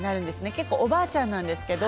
結構おばあちゃんなんですけど。